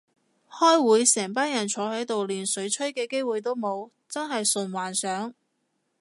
開會成班人坐喺度連水吹嘅機會都冇，真係純幻想